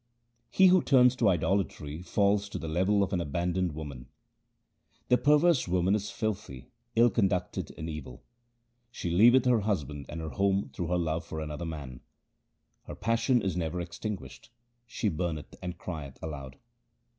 He who turns to idolatry falls to the level of an abandoned woman :— The perverse woman is filthy, ill conducted, and evil ; 170 THE SIKH RELIGION She leaveth her husband and her home through her love for another man : Her passion is never extinguished ; she burneth and crieth aloud.